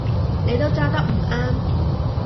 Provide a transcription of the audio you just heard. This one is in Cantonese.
你都揸得唔啱